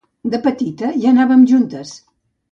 De petita hi anaven juntes.